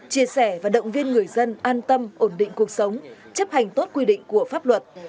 chia sẻ và động viên người dân an tâm ổn định cuộc sống chấp hành tốt quy định của pháp luật